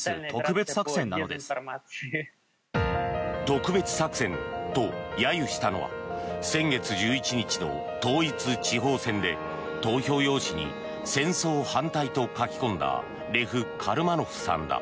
特別作戦と揶揄したのは先月１１日の統一地方選で投票用紙に戦争反対を書き込んだレフ・カルマノフさんだ。